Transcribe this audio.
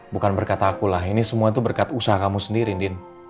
bukan berkata aku lah ini semua itu berkat usaha kamu sendiri din